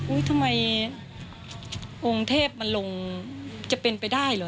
ทำไมองค์เทพมันลงจะเป็นไปได้เหรอ